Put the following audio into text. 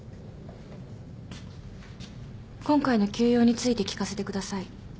今回の休養について聞かせてください。